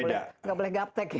tidak boleh gap tag